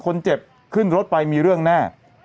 คนเจ็บขึ้นรถไปมีเรื่องแน่